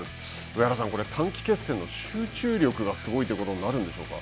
上原さん、短期決戦の集中力がすごいということになるんでしょうか。